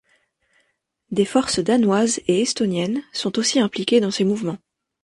Des forces danoises et estoniennes sont aussi impliquées dans ces mouvements.